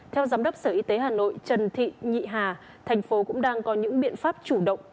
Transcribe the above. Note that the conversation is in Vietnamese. theo giám đốc sở y tế hà nội trần thị nhị hà thành phố cũng đang có những biện pháp chủ động